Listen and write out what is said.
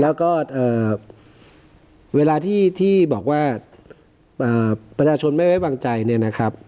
แล้วก็เวลาที่บอกว่าประชาชนไม่ไว้วางใจเนี่ยนะครับ